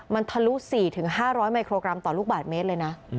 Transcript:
มันทะลุ๔๕๐๐มิโครกรัมต่อลูกบาทเมตรเลยนะ